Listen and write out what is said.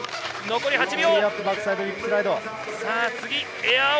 残り８秒。